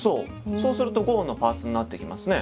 そうすると五音のパーツになってきますね。